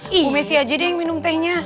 hh messi aja deh yang minum tehnya